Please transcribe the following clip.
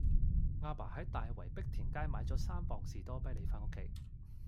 亞爸喺大圍碧田街買左三磅士多啤梨返屋企